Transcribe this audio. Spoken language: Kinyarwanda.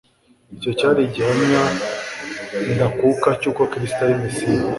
Icyo cyari igihamya ndakuka cy'uko Kristo ari Mesiya,